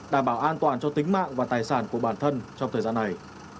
đảm bảo an toàn cho tính mạng và tài sản của bản thân trong thời gian này